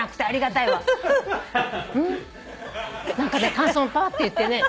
感想もぱって言ってね。